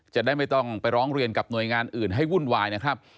จะได้ไม่ต้องไปร้องเรียนกับหน่วยงานอื่นให้วุ่นวายนะครับ